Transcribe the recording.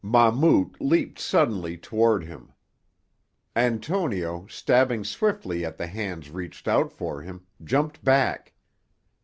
Mahmout leaped suddenly toward him. Antonio, stabbing swiftly at the hands reached out for him, jumped back.